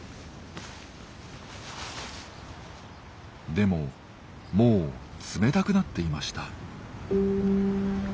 でももう冷たくなっていました。